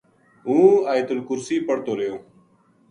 ہوں ایت الکرسی پڑھتو رہیو